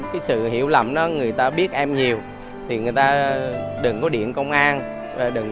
cái sự hiểu lầm đó người ta biết em nhiều thì người ta đừng có điện công an đừng